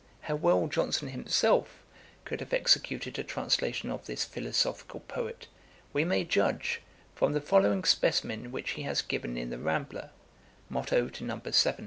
How well Johnson himself could have executed a translation of this philosophical poet, we may judge from the following specimen which he has given in the Rambler: (Motto to No. 7.)